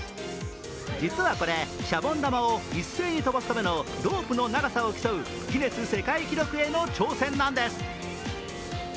実はこれ、シャボン玉を一斉に飛ばすためのロープの長さを競うギネス世界記録への挑戦なんです。